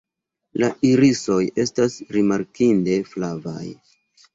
La irisoj estas rimarkinde flavaj.